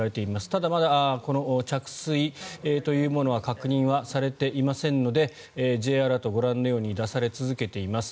ただまだこの着水というものは確認はされていませんのでＪアラート、ご覧のように出され続けています。